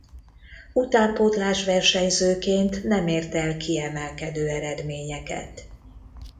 Utánpótlás versenyzőként nem ért el kiemelkedő eredményeket.